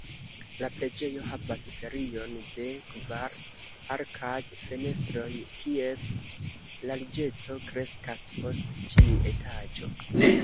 La preĝejo havas serion de kvar arkad-fenestroj kies larĝeco kreskas post ĉiu etaĝo.